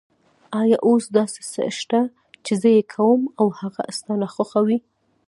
آیا اوس داسې څه شته چې زه یې کوم او هغه ستا ناخوښه وي؟